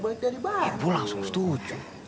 ibu langsung setuju